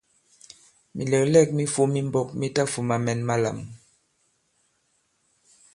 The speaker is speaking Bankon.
Mìlɛ̀glɛ᷇k mi fōm i mbōk mi tafūma mɛn malām.